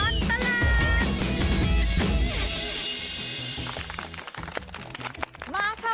ชั่วตลอดตลาด